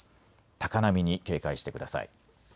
高波に警戒してください。